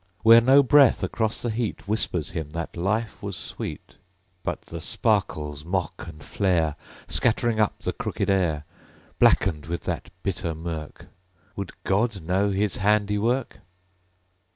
Where no breath across the heat Whispers him that life was sweet; But the sparkles mock and flare, Scattering up the crooked air. (Blackened with that bitter mirk, Would God know His handiwork?)